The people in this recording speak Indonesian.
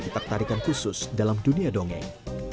ditak tarikan khusus dalam dunia dongeng